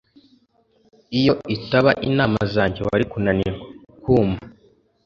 Iyo itaba inama zanjye, wari kunanirwa. (kuma)